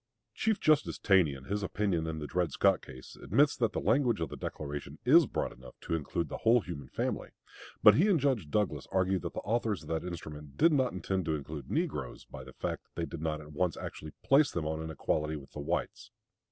Chief Justice Taney, in his opinion in the Dred Scott case, admits that the language of the Declaration is broad enough to include the whole human family; but he and Judge Douglas argue that the authors of that instrument did not intend to include negroes, by the fact that they did not at once actually place them on an equality with the whites.